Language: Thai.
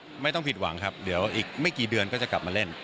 ไม่ต้องผิดหวังครับเดี๋ยวอีกไม่กี่เดือนก็จะกลับมาเล่น